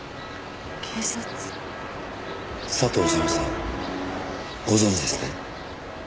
警察？佐藤修さんご存じですね？